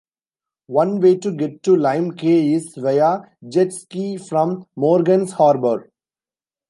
One way to get to Lime Cay is via Jet Ski from Morgans Harbour.